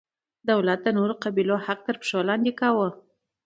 دولت د نورو قبیلو حق تر پښو لاندې کاوه.